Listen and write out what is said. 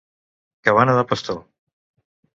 Cabana de pastor.